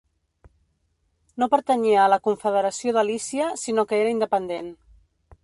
No pertanyia a la confederació de Lícia sinó que era independent.